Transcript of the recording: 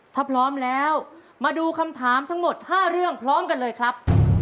ถ้าพร้อมแล้วมาดูคำถามทั้งหมด๕เรื่องพร้อมกันเลยครับ